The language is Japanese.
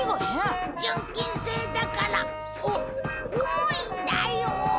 純金製だからお重いんだよ！